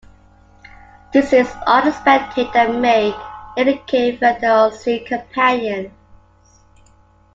This is unexpected and may indicate further unseen companions.